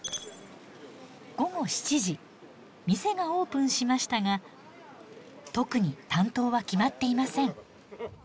店がオープンしましたが特に担当は決まっていません。